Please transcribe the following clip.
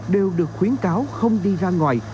đều được khuyến cáo không đi ra ngoài